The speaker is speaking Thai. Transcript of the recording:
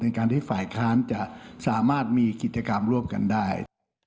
การที่ฝ่ายค้านจะสามารถมีกิจกรรมร่วมกันได้